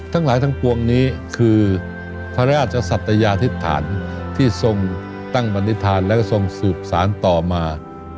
ทั้งหลายทั้งปวงนี้คือพระราชสัตยาธิษฐานที่ทรงตั้งบรรณิธานและทรงสืบสารต่อมา